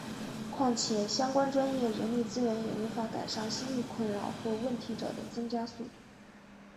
况且相关专业人力资源也无法赶上心理困扰或问题者的增加速度。